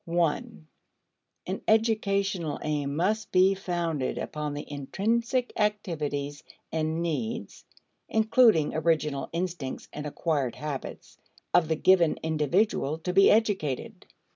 (1) An educational aim must be founded upon the intrinsic activities and needs (including original instincts and acquired habits) of the given individual to be educated.